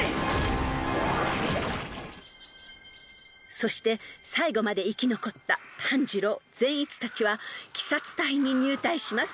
［そして最後まで生き残った炭治郎善逸たちは鬼殺隊に入隊します］